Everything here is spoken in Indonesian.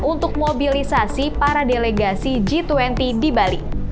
untuk mobilisasi para delegasi g dua puluh di bali